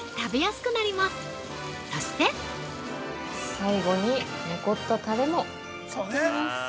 最後に、残ったタレもかけます。